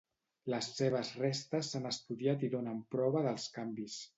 Les seves restes s'han estudiat i donen prova dels canvis.